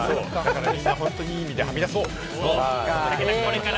皆さん、本当にいい意味ではみ出そう。